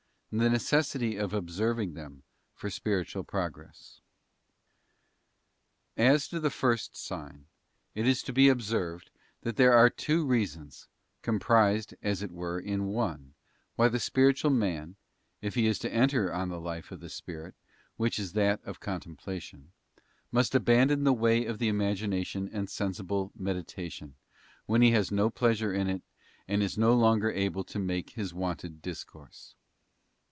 The necessity of observing them for spiritual progress. As to the first sign, it is to be observed that there are two reasons, comprised as it were in one, why the spiritual man — if he is to enter on the life of the spirit, which is that of contemplation — must abandon the way of the imagination and sensible meditation, when he has no pleasure in it and is no longer able to make his wonted discourse.